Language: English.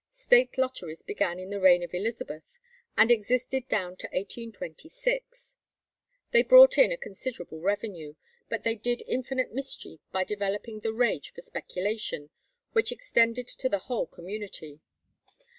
State lotteries began in the reign of Elizabeth, and existed down to 1826. They brought in a considerable revenue, but they did infinite mischief by developing the rage for speculation, which extended to the whole community.